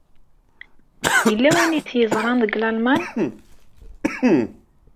Yella win ay t-yeẓran deg Lalman?